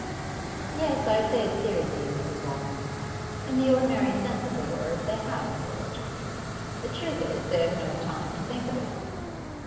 'Yes, I say it seriously, Mrs. Waltham. In the ordinary sense of the word, they have no religion. The truth is, they have no time to think of it.